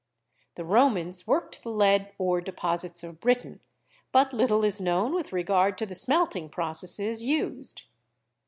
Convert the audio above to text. The Romans worked the lead ore deposits of Britain, but little is known with regard to the smelting processes used.